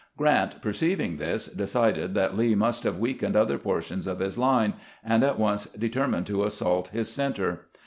Grant, perceiving this, decided that Lee must have weakened other portions of his line, and at once determined to assault his center.